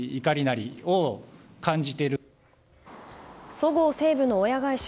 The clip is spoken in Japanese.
そごう・西武の親会社